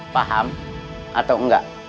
paham atau enggak